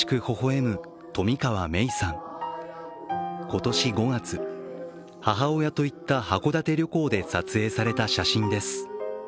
今年５月、母親と行った函館旅行で撮影された写真です。